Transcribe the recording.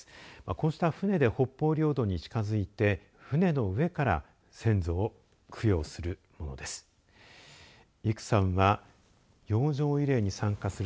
こうした船で北方領土に近づいて船の上から先祖を供養するものです。